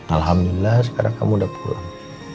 alhamdulillah sekarang kamu udah pulang